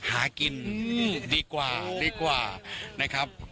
หากินดีกว่าดีกว่านะครับ